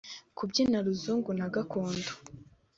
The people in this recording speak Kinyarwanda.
kubyina ruzungu na gakondo